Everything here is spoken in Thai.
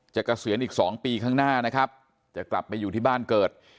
เกษียณอีก๒ปีข้างหน้านะครับจะกลับไปอยู่ที่บ้านเกิด